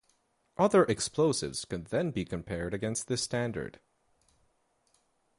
Other explosives could then be compared against this standard.